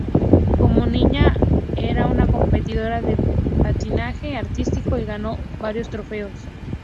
Como niña, era una competidora de patinaje artístico y ganó varios trofeos.